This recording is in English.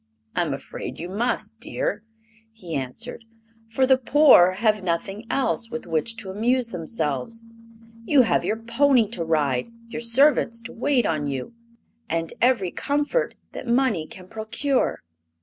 "I'm afraid you must, dear," he answered; "for the poor have nothing else with which to amuse themselves. You have your pony to ride, your servants to wait on you, and every comfort that money can procure."